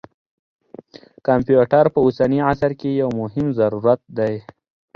کمپیوټر په اوسني عصر کې یو مهم ضرورت دی.